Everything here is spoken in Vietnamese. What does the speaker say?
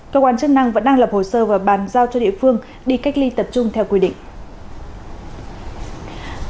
cơ quan chức năng vẫn đang lập hồ sơ và bàn giao cho địa phương đi cách ly tập trung theo quy định